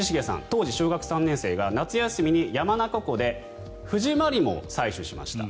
当時、小学３年生が夏休みに山中湖でフジマリモを採取しました。